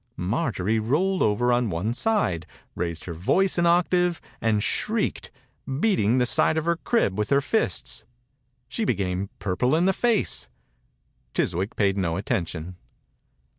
Marjorie rolled over on one side, raised her voice an octave, and shrieked, beating the side of her crib with her £sts. She became purple in the face. Chiswick paid no attention.